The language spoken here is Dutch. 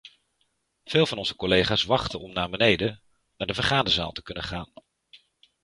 Veel van onze collega's wachten om naar beneden, naar de vergaderzaal, te kunnen gaan.